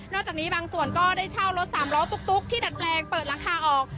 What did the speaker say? จากนี้บางส่วนก็ได้เช่ารถสามล้อตุ๊กที่ดัดแปลงเปิดหลังคาออก